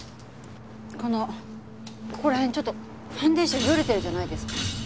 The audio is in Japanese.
このここら辺ちょっとファンデーションよれてるじゃないですか。